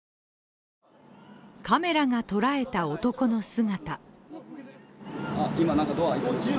カメラが捉えた男の姿。